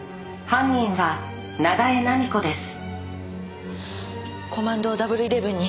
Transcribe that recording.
「犯人は長江菜美子です」